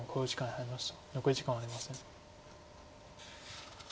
残り時間はありません。